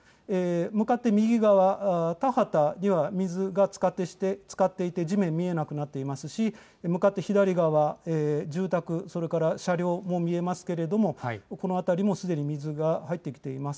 向かって右側、田畑には水がつかっていて、地面見えなくなっていますし、向かって左側、住宅、それから車両も見えますけれども、この辺りもすでに水が入ってきています。